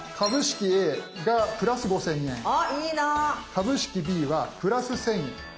株式Ｂは＋１，０００円。